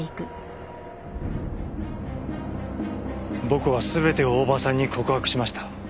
僕は全てを大庭さんに告白しました。